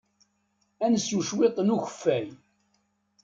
Ad nsew cwiṭ n ukeffay.